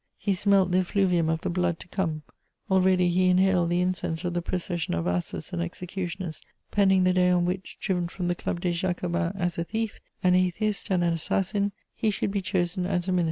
He smelt the effluvium of the blood to come; already he inhaled the incense of the procession of asses and executioners, pending the day on which, driven from the Club des Jacobins as a thief, an atheist and an assassin, he should be chosen as a minister.